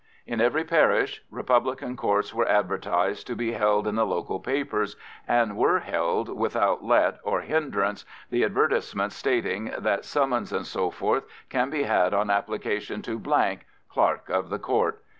In every parish Republican Courts were advertised to be held in the local papers, and were held without let or hindrance, the advertisements stating that "Summons, &c., can be had on application to ——, Clerk of the Court."